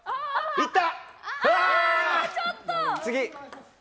いった？